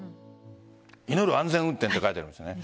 祈安全運転って書いてあるんですね。